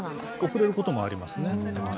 遅れることもありますね。